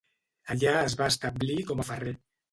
Allà es va establir com a ferrer.